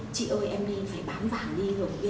chị ơi em nên phải bán vàng đi